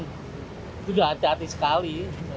itu sudah hati hati sekali